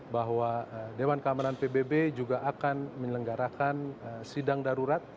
bahwa dewan keamanan pbb juga akan menyelenggarakan sidang darurat